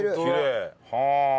はあ。